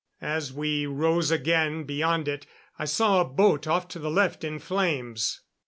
As we rose again, beyond it, I saw a boat off to the left in flames.